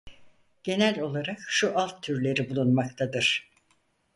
Genel olarak şu alt türleri bulunmaktadır: